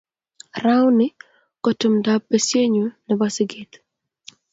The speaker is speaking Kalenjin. Rauni ko tumdab besienyu nebo siget